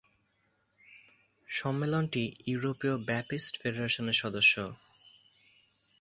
সম্মেলনটি ইউরোপীয় ব্যাপটিস্ট ফেডারেশনের সদস্য।